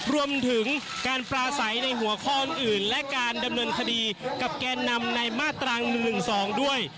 รวมถึงการปลาใสในหัวข้ออื่นและการดำเนินคดีกับแกนนำในมาตรา๑๑๒ด้วย